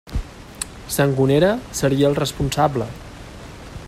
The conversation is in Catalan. Sangonera seria el responsable.